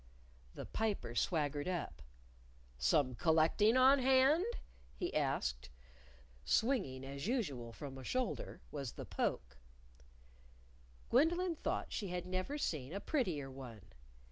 The Piper swaggered up. "Some collecting on hand?" he asked. Swinging as usual from a shoulder was the poke. Gwendolyn thought she had never seen a prettier one.